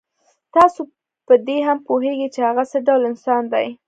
تاسو په دې هم پوهېږئ چې هغه څه ډول انسان دی.